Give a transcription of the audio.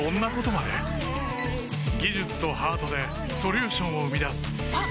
技術とハートでソリューションを生み出すあっ！